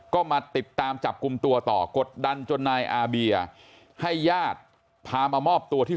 ก็มาติดตามจับกลุ่มตัวต่อกดดันจนนายอาเบียให้ญาติพามามอบตัวที่